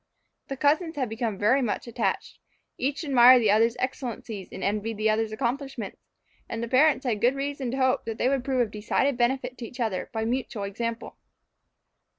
The cousins had become very much attached. Each admired the other's excellencies, and envied the other's accomplishments; and the parents had good reason to hope that they would prove of decided benefit to each other by mutual example.